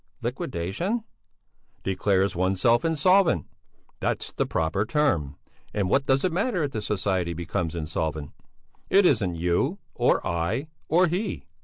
"Liquidation?" "Declares oneself insolvent! That's the proper term. And what does it matter if the society becomes insolvent? It isn't you, or I, or he!